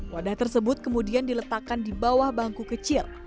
wadah tersebut kemudian diletakkan di bawah bangku kecil